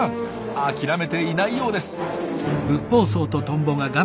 諦めていないようです。